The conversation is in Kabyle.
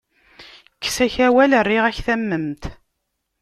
Kkes-ak awal, rriɣ-ak tamment!